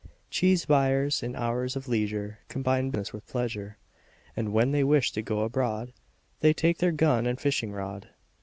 Cheese buyers in hours of leisure Combine business with pleasure, And when they wish to go abroad They take their gun and fishing rod.